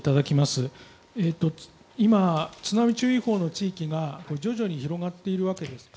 今、津波注意報の地域が徐々に広がっているわけですが。